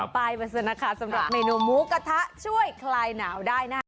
ปลายบรรษณะคาสำหรับในนมูกระทะช่วยคลายหนาวได้นะ